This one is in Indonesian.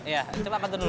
iya coba pantun dulu